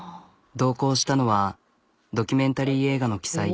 同行したのはドキュメンタリ―映画の鬼才